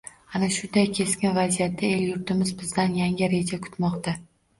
Ana shunday keskin vaziyatda el-yurtimiz bizdan yangi reja kutmoqda.